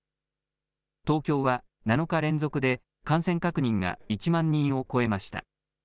東京は７日連続で感染確認が１万人を超えました。